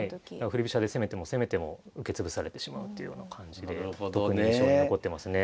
振り飛車で攻めても攻めても受け潰されてしまうというような感じで特に印象に残ってますね。